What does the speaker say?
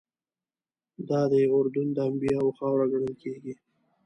دادی اردن د انبیاوو خاوره ګڼل کېږي.